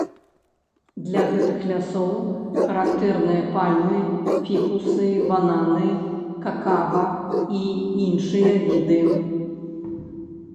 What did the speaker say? Для гэтых лясоў характэрныя пальмы, фікусы, бананы, какава і іншыя віды.